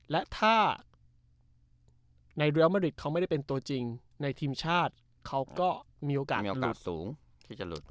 และถ้าในเรียลมะริดเขาไม่ได้เป็นตัวจริงในทีมชาติเขาก็มีโอกาสมีโอกาสสูงที่จะหลุด